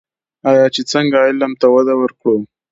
آیا چې څنګه علم ته وده ورکړو؟